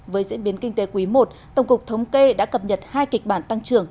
với diễn biến kinh tế quý i tổng cục thống kê đã cập nhật hai kịch bản tăng trưởng